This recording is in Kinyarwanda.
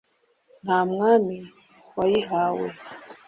nta mwami wayihawe